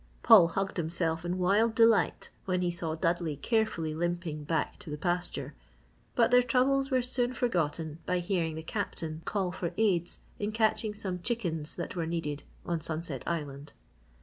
Paul hugged himself in wild delight when he saw Dudley carefully limping back to the pasture, but their troubles were soon forgotten by hearing the Captain call for aides in catching some chickens that were needed on Sunset Island.